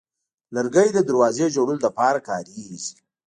لرګی د دروازې جوړولو لپاره کارېږي.